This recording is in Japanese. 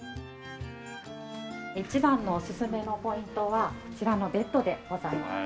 一番のおすすめのポイントはこちらのベッドでございます。